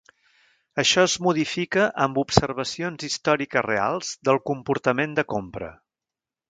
Això es modifica amb observacions històriques reals del comportament de compra.